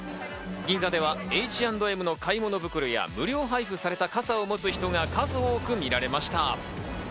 銀座ではＨ＆Ｍの買い物袋や無料配布された傘を持つ人が数多く見られました。